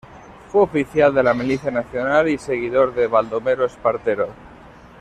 Fue oficial de la Milicia Nacional y seguidor de Baldomero Espartero.